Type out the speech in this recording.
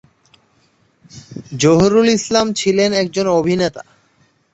জহুরুল ইসলাম ছিলেন একজন অভিনেতা।